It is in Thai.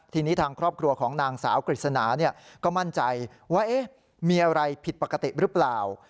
ทีนี้ทางครอบครัวของนางสาวกฤษณาก็มั่นใจว่ามีอะไรผิดปกติหรือเปล่า